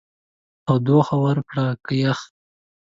تودوخه ورکړو که يخ؟